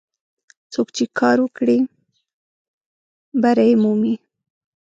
څوک چې کار وکړي، بری مومي.